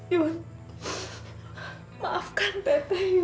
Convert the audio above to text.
yuyun maafkan teteh yuyun